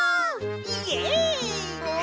イエイ！